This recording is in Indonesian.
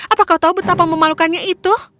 apa kau tahu betapa memalukannya itu